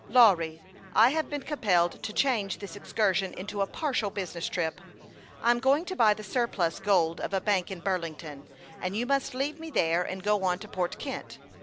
" Lawry, I have been compelled to change this excursion into a partial business trip. I am going to buy the surplus gold of a bank in Burlington, and you must leave me there and go on to Port Kent.